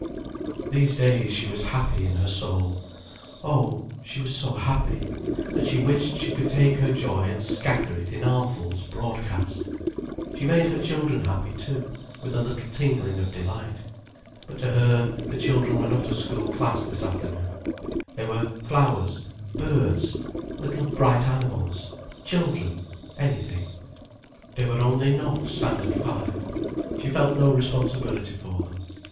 These days she was happy in her soul: oh, she was so happy, that she wished she could take her joy and scatter it in armfuls broadcast. She made her children happy, too, with a little tingling of delight. But to her, the children were not a school class this afternoon. They were flowers, birds, little bright animals, children, anything. They only were not Standard Five. She felt no responsibility for them.